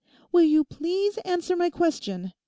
'Will you please answer my question?